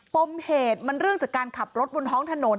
ปมเหตุมันเรื่องจากการขับรถบนท้องถนน